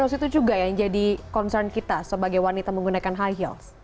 terus itu juga yang jadi concern kita sebagai wanita menggunakan high heels